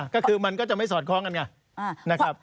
ก็คือมันก็จะไม่สอดคล้องกันค่ะ